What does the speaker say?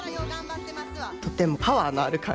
とてもパワーのある感じ。